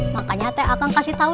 makanya ate akang kasih tau